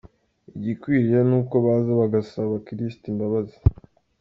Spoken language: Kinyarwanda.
Igikwiriye ni uko baza bagasaba abakristo imbabazi.